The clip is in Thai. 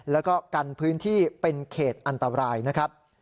แล้วก็กันพื้นที่เป็นเขตอันตรายนะครับ